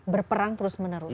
berperang terus menerus